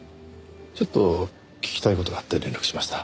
ちょっと聞きたい事があって連絡しました。